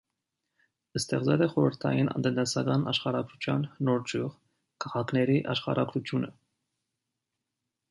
Ստեղծել է խորհրդային տնտեսական աշխարհագրության նոր ճյուղ՝ քաղաքների աշխարհագրությունը։